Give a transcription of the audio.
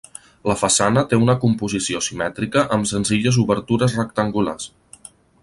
La façana té una composició simètrica amb senzilles obertures rectangulars.